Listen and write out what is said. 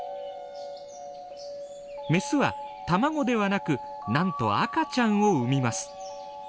メスは卵ではなくなんと赤ちゃんを産みます。